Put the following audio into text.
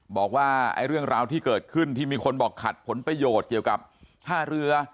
บอกว่าเรื่องราวที่เกิดขึ้นที่มีคนบอกขัดผลประโยชน์เกี่ยวกับท่าเรือ